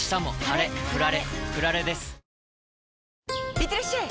いってらっしゃい！